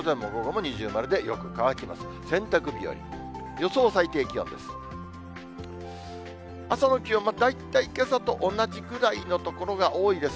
予想最低気温です。